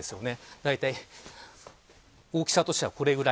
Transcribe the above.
だいたい大きさとしてはこれぐらい。